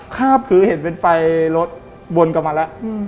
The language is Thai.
ครับคือเห็นเป็นไฟรถวนกลับมาแล้วอืม